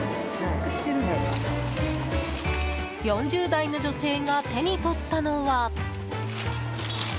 ４０代の女性が手にとったのは。